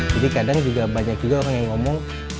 jadi kadang juga banyak juga orang yang ngomong